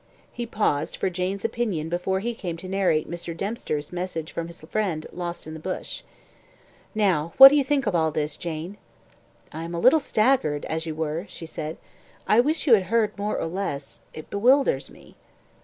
He paused for Jane's opinion before he came to narrate Mr. Dempster's message from his friend lost in the bush. "Now, what do you think of all this, Jane?" "I am a little staggered, as you were," said she. "I wish you had heard more or less it bewilders me."